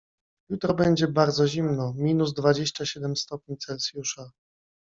Jutro będzie bardzo zimno, minus dwadzieścia siedem stopni Celsjusza.